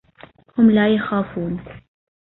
هم لا يخافون.